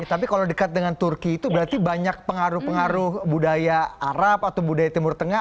tapi kalau dekat dengan turki itu berarti banyak pengaruh pengaruh budaya arab atau budaya timur tengah